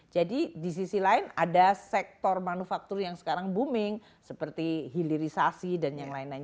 jadi di sisi lain ada sektor manufaktur yang sekarang booming seperti hilirisasi dan yang lain lain